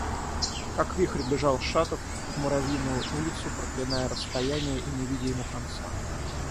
Как вихрь бежал Шатов в Муравьиную улицу, проклиная расстояние и не видя ему конца.